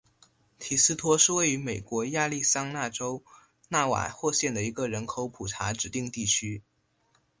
提斯托是位于美国亚利桑那州纳瓦霍县的一个人口普查指定地区。